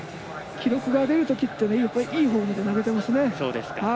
記録が出るときってやっぱりいいフォームで投げていますね。